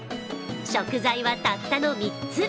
食材はたったの３つ。